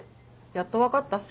やっと分かった？